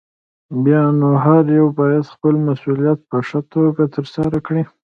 بيا نو هر يو بايد خپل مسؤليت په ښه توګه ترسره کړي.